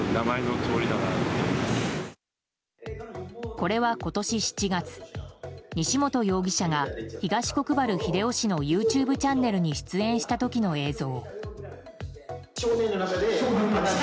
これは今年７月、西本容疑者が東国原英夫氏のＹｏｕＴｕｂｅチャンネルに出演した時の映像。